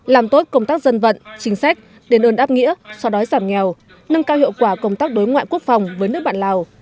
làm tốt công tác dân vận chính sách đền ơn áp nghĩa so đói giảm nghèo nâng cao hiệu quả công tác đối ngoại quốc phòng với nước bạn lào